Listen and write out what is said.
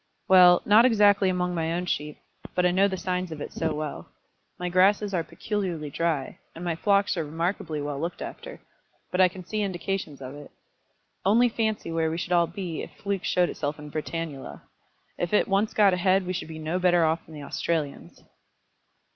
"Well; not exactly among my own sheep; but I know the signs of it so well. My grasses are peculiarly dry, and my flocks are remarkably well looked after; but I can see indications of it. Only fancy where we should all be if fluke showed itself in Britannula! If it once got ahead we should be no better off than the Australians."